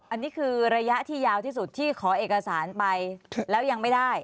อันนี้คือระยะที่ยาวที่สุดที่ขอเอกสารไปแล้วยังไม่ได้